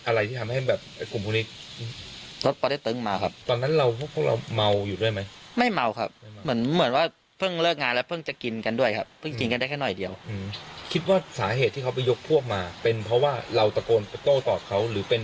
อะไรที่ทำให้แบบผู้หญิงคุณ